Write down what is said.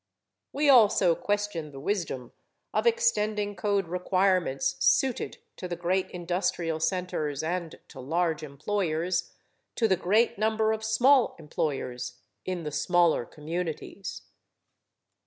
We also question the wisdom of extending code requirements suited to the great industrial centers and to large employers, to the great number of small employers in the smaller communities.